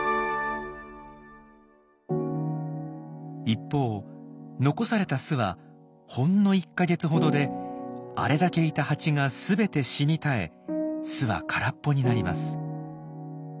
一方残された巣はほんの１か月ほどであれだけいたハチが全て死に絶え巣は空っぽになります。